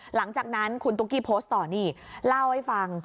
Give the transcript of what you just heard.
หลังจากนั้นคุณตุ๊กกี้โพสต์ต่อนี่เล่าให้ฟัง